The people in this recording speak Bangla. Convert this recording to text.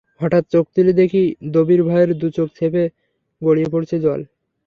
হঠাৎ চোখ তুলে দেখি দবির ভাইয়ের দুচোখ ছেপে গড়িয়ে পড়ছে জল।